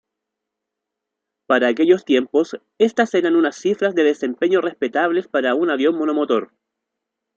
Para aquellos tiempos, estas eran unas cifras de desempeño respetables para un avión monomotor.